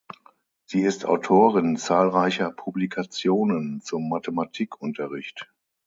Sie ist Autorin zahlreicher Publikationen zum Mathematikunterricht.